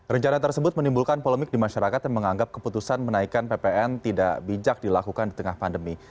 rencana tersebut menimbulkan polemik di masyarakat yang menganggap keputusan menaikan ppn tidak bijak dilakukan di tengah pandemi